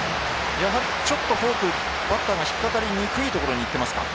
やはりちょっとフォークバッターが引っかかりにくいところにいけますか。